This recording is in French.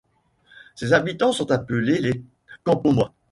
Ses habitants sont appelés les Campomois.